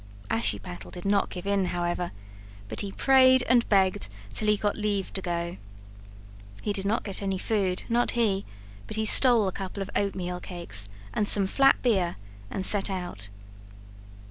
Ashiepattle did not give in, however, but he prayed and begged till he got leave to go. He did not get any food, not he; but he stole a couple of oatmeal cakes and some flat beer and set out.